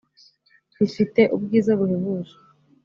rifite ubwiza buhebuje